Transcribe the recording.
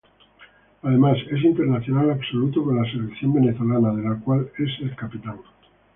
Además, es internacional absoluto con la selección venezolana, de la cual es el capitán.